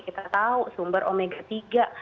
kita tahu sumber omega tiga